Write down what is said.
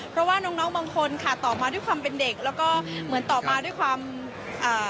เพราะว่าน้องน้องบางคนค่ะต่อมาด้วยความเป็นเด็กแล้วก็เหมือนต่อมาด้วยความอ่า